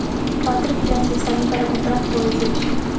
Quatro crianças saem para comprar coisas